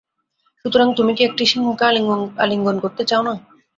সুতরাং, তুমি কি একটি সিংহকে আলিঙ্গন করতে চাও না?